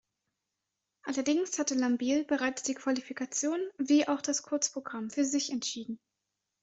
Allerdings hatte Lambiel bereits die Qualifikation wie auch das Kurzprogramm für sich entschieden.